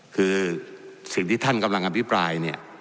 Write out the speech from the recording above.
คือสิ่งที่ท่านกำลังอภิปรายเนี่ย